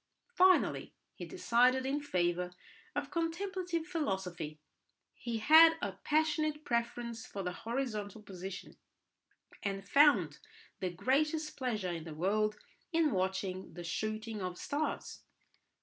Finally he decided in favour of contemplative philosophy. He had a passionate preference for the horizontal position, and found the greatest pleasure in the world in watching the shooting of stars.